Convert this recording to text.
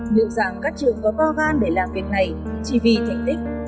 nhiều dạng các trường có to gian để làm việc này chỉ vì thành tích